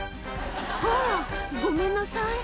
「あらごめんなさい」